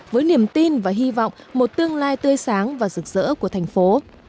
với niềm tin và hy vọng một tương lai tươi sáng và rực rỡ của thành phố